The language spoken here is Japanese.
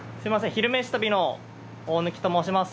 「昼めし旅」の大貫と申します。